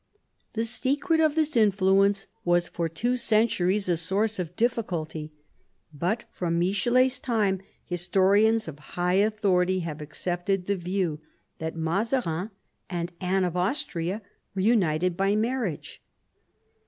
The secret of this influence was for two centuries a source of difl&culty, but from Michelet's time historians of high authority have accepted the view that Mazarin and Anne of Austria were united by marriage.